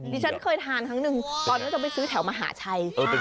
ฉันเคยทานครั้งหนึ่งตอนนั้นจะไปซื้อแถวมหาชัย